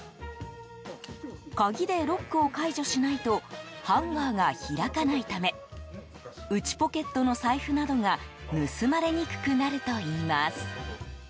鍵でロックを解除しないとハンガーが開かないため内ポケットの財布などが盗まれにくくなるといいます。